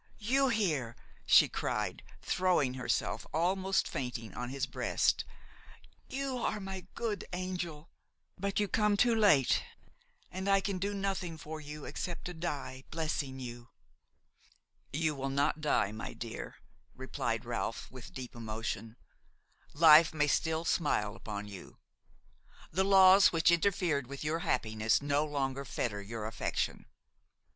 you here!", she cried, throwing herself, almost fainting, on his breast. "You are my good angel! But you come too late, and I can do nothing for you except to die blessing you." "You will not die, my dear," replied Ralph with deep emotion; "life may still smile upon you. The laws which interfered with your happiness no longer fetter your affection.